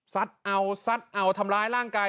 เอาซัดเอาทำร้ายร่างกาย